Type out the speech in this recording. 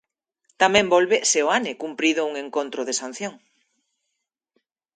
Tamén volve Seoane, cumprido un encontro de sanción.